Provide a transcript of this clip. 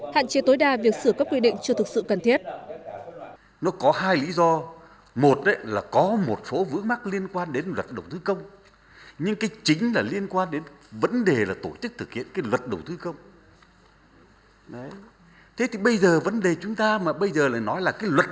hạn chế tối đa việc sửa các quy định chưa thực sự cần thiết